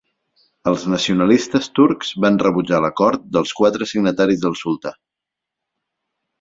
Els nacionalistes turcs van rebutjar l'acord dels quatre signataris del sultà.